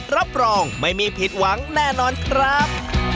รับรองไม่มีผิดหวังแน่นอนครับ